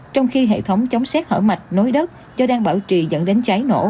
trong khi hệ thống chống xét hở mạch nối đất do đang bảo trì dẫn đến cháy nổ